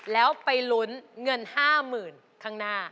แล้วไปลุ้นเงิน๕๐๐๐ข้างหน้า